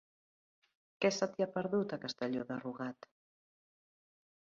Què se t'hi ha perdut, a Castelló de Rugat?